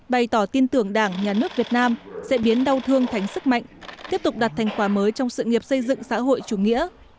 bày tỏ tin tưởng đảng nhà nước việt nam sẽ biến đau thương thành sức mạnh tiếp tục đạt thành quả mới trong sự nghiệp xây dựng xã hội chủ nghĩa